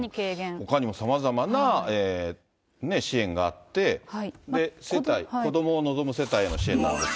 ほかにもさまざまな支援があって、世帯、子どもを望む世帯への支援なんですが。